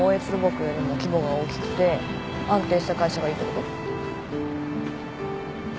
土木よりも規模が大きくて安定した会社がいいってこと？